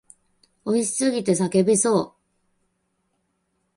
美味しすぎて叫びそう。